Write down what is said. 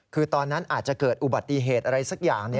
คือตอนนั้นอาจจะเกิดอุบัติเหตุอะไรสักอย่าง